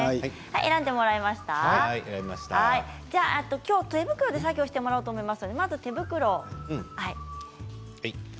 今日、手袋で作業をしてもらおうと思います。